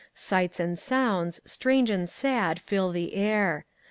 Sights and sounds, strange and sad, fill the air.